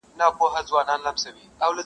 یو عطار وو یو طوطي یې وو ساتلی-